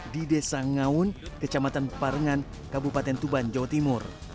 di desa ngaun kecamatan parengan kabupaten tuban jawa timur